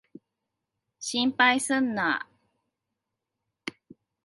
心配すんな。